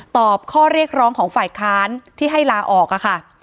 ตอบข้อเรียกร้องของฝ่ายค้านที่ให้ลาออกค่ะ